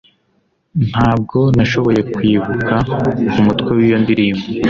Ntabwo nashoboye kwibuka umutwe w'iyo ndirimbo.